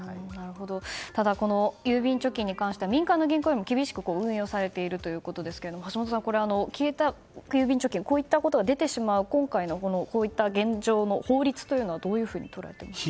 ただ、この郵便貯金に関しては民間の銀行よりも厳しく運営をされているということですが橋下さん、消えた郵便貯金といったことが出てしまう今回の現状の法律はどういうふうに捉えていますか。